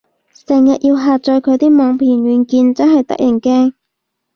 成日要下載佢啲網盤軟件，真係得人驚